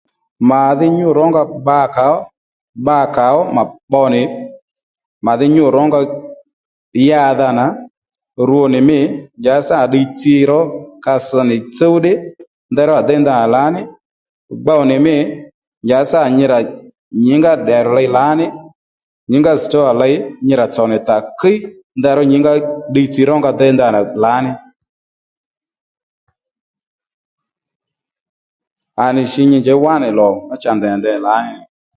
Màdhí nyû rónga bba kàó bba kàó ma pbo nì màdhí nyû rónga yadha nà rwo nì mî njàddí sâ nà ddiy tsi ró ka ss nì tsúw ddí ndeyró à déy ndanà lǎní gbow nì mî njàddí sâ nà nyi rà nyǐngá ddèrr̀ ley lǎní nyǐngá stówà ley nyi rà tsònì tà kíy ndeyró nyǐngá ddiy tsi rónga déy ndanà lǎní à nì jǐ nyi njěy wánì lò cha ndèy rà dey lǎní nì